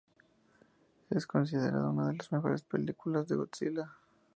Es considerada una de las mejores películas de Godzilla.